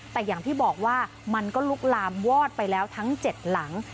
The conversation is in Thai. แต่อย่างที่บอกว่ามันก็ลุกลามวอดไปแล้วทั้ง๗หลัง